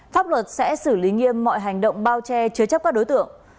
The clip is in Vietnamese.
pháp luật sẽ xử lý nghiêm mọi hành động bao che chứa chấp các đối tượng